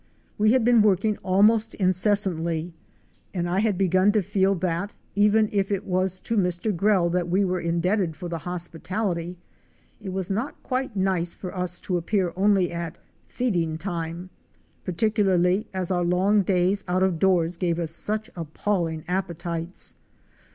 We had been working almost incessantly and I had begun to feel that, even if it was to Mr. Grell that we were indebted for the hospitality, it was not quite nice for us to appear only at '' feeding time," par ticularly as our long days out of doors gave us such appalling appetites.